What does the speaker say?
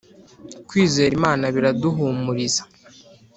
Kwizera Imana biraduhumuriza